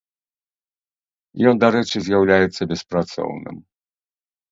Ён, дарэчы, з'яўляецца беспрацоўным.